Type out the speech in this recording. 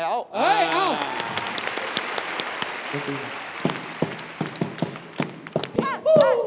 เอ้ยเอ้า